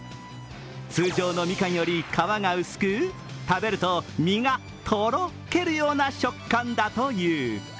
通常のみかんより皮が薄く食べると実がとろけるような食感だという。